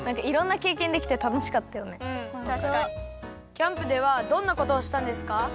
キャンプではどんなことをしたんですか？